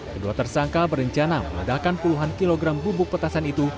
kedua tersangka berencana mengadakan puluhan kilogram bubuk petasan itu